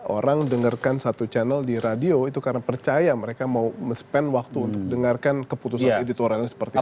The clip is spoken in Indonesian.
orang dengarkan satu channel di radio itu karena percaya mereka mau men spend waktu untuk dengarkan keputusan editorialnya seperti apa